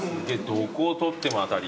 どこを取っても当たり。